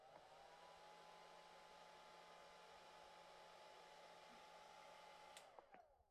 wanatoka kwenye Fiesta Fiesta mwaka elfu mbili kumi na nane Ikiwa imebakia chini